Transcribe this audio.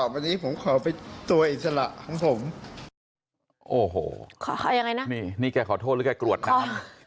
ผมกรวดขึ้น